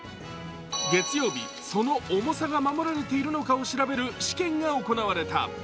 月曜日、その重さが守られているのかを調べる試験が行われた。